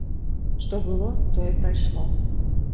Што было, тое прайшло.